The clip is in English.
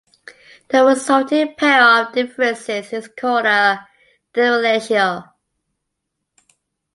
The resulting pair of differences is called a differential.